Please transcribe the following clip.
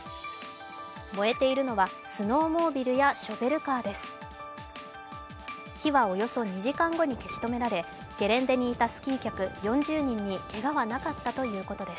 燃えているのはスノーモービルやショベルカーです。